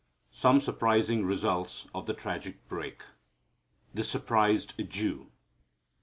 Some Surprising Results of the Tragic Break The Surprised Jew.